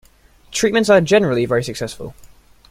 Treatments are generally very successful.